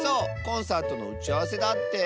コンサートのうちあわせだって。